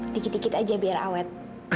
tikit tikit aja biar awet